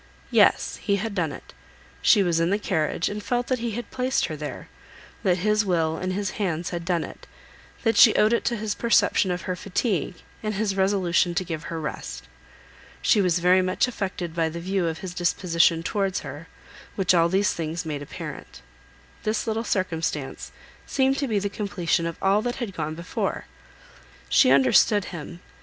Yes; he had done it. She was in the carriage, and felt that he had placed her there, that his will and his hands had done it, that she owed it to his perception of her fatigue, and his resolution to give her rest. She was very much affected by the view of his disposition towards her, which all these things made apparent. This little circumstance seemed the completion of all that had gone before. She understood him.